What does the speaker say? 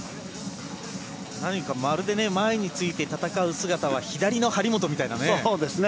何か、まるで前について戦う姿は左の張本みたいなね。